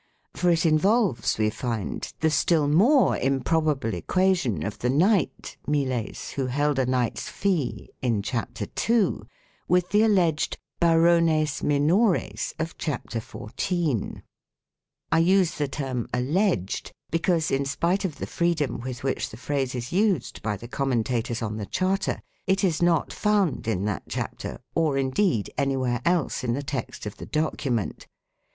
For it involves, we find, the still more improbable equation of the knight (" miles "), who held a knight's fee, in chapter 2 with the alleged "barones minores " of chapter 14. 2 I use the term " alleged " because, in spite of the freedom with which the phrase is used by the commentators on the Charter, 3 it is not found in that chapter or, indeed, anywhere else in the text of the document.